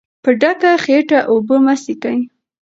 په ډکه خېټه اوبه مه څښئ.